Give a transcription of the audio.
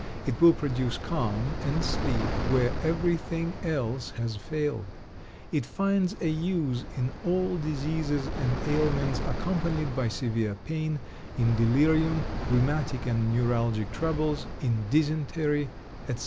It will produce calm and sleep where everything else has failed. It finds a use in all diseases and ailments accompanied by severe pain, in delirium, rheumatic and neuralgic troubles, in dysentery, etc.